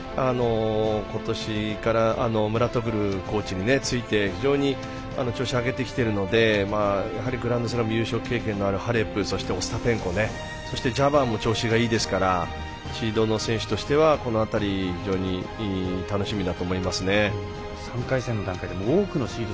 ことしからモラトグルーコーチについて非常に調子上げてきてるのでやはりグランドスラム優勝経験のあるハレプそして、オスタペンコなども調子がいいですからシードの選手としてはこの辺り非常に楽しみだと思いますね。